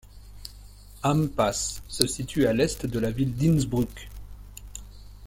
Ampass se situe à l'est de la ville d'Innsbruck.